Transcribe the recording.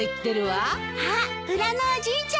あっ裏のおじいちゃんだ。